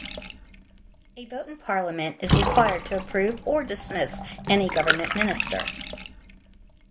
A vote in Parliament is required to approve or dismiss any government minister.